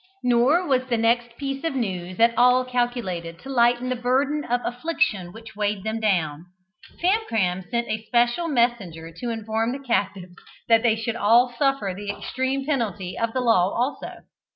Nor was the next piece of news at all calculated to lighten the burden of affliction which weighed them down. Famcram sent a special messenger to inform the captives that they should all suffer the extreme penalty of the law also.